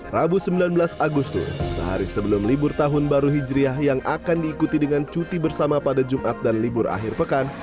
rabu sembilan belas agustus sehari sebelum libur tahun baru hijriah yang akan diikuti dengan cuti bersama pada jumat dan libur akhir pekan